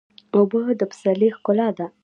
اوبه د پسرلي ښکلا ده.